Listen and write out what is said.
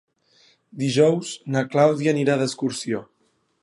Dijous na Clàudia anirà d'excursió.